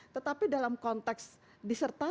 tetapi dalam konteks disertasi